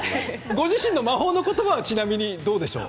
ご自身の魔法の言葉はちなみにどうでしょう？